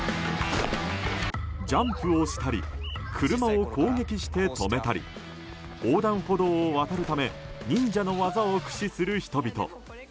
ジャンプをしたり車を攻撃して止めたり横断歩道を渡るため忍者の技を駆使する人々。